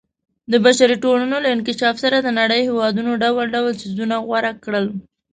د بشري ټولنو له انکشاف سره د نړۍ هېوادونو ډول ډول څیزونه غوره کړل.